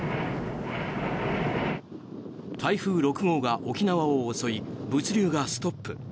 台風６号が沖縄を襲い物流がストップ。